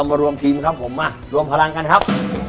มารวมทีมครับผมมารวมพลังกันครับ